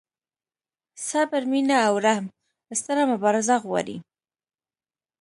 صبر، مینه او رحم ستره مبارزه غواړي.